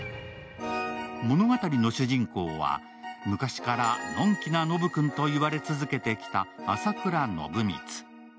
物語の主人公は、昔からのんきなノブ君と言われ続けてきた朝倉暢光。